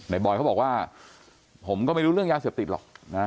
บอยเขาบอกว่าผมก็ไม่รู้เรื่องยาเสพติดหรอกนะ